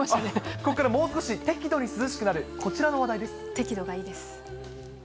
ここからもう少し、適度に涼適度がいいです。